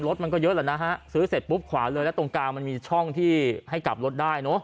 รถมันก็เยอะแหละนะฮะซื้อเสร็จปุ๊บขวาเลยแล้วตรงกลางมันมีช่องที่ให้กลับรถได้เนอะ